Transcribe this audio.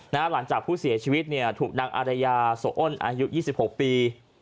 หลังจากผู้เสียชีวิตเนี่ยถูกนางอารยาโสอ้นอายุ๒๖ปี